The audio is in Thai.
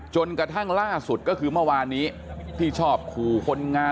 จนกระทั่งล่าสุดก็คือเมื่อวานนี้ที่ชอบขู่คนงาน